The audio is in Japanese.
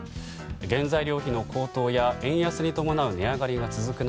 原材料費の高騰や円安に伴う値上がりが続く